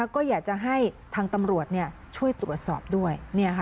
ก็อยากจะให้ทางตำรวจช่วยตรวจสอบด้วย